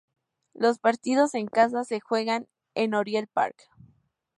Los partidos en casa se juegan en Oriel Park.